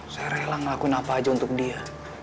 saya rela ngelakuin apa aja untuk dia